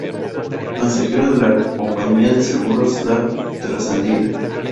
Consejero de la Compañía de Seguros La Trasandina.